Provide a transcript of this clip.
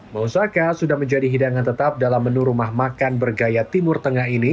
mosaka sudah menjadi hidangan tetap dalam menu rumah makan bergaya timur tengah ini